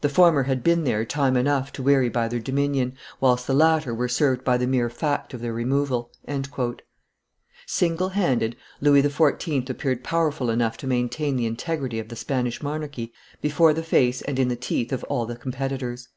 The former had been there time enough to weary by their dominion, whilst the latter were served by the mere fact of their removal." Singlehanded, Louis XIV. appeared powerful enough to maintain the integrity of the Spanish monarchy before the face and in the teeth of all the competitors.